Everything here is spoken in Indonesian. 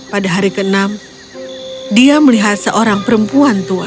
pada hari ke enam dia melihat seorang perempuan tua